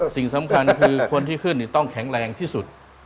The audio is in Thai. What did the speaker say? สิ่งสำคัญคือคนที่ขึ้นต้องแข็งแรงที่สุด